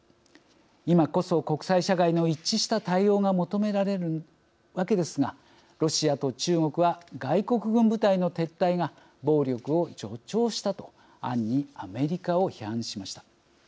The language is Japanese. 今こそ国際社会の一致した対応が求められるわけですがロシアと中国は外国軍部隊の撤退が暴力を助長したと暗にアメリカを批判しました。